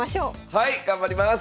はい頑張ります！